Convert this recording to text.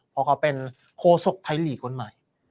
เพราะเขาเป็นโคศกไทยลีกคนใหม่